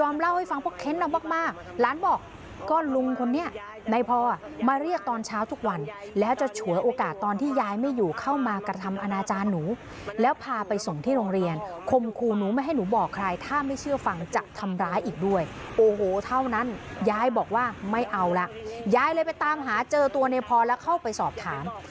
ไม่เอาล่ะยายเลยตามหาเจอตัวเนพอล์แล้วเข้าไปสอบถาม